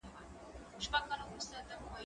زه پرون لوبه وکړه؟!